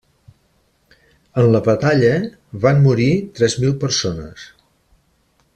En la batalla van morir tres mil persones.